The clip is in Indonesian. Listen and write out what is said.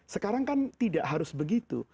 sekarang kan tidak harus begitu